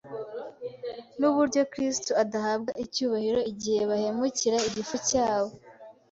n’uburyo Kristo adahabwa icyubahiro igihe bahemukira igifu cyabo,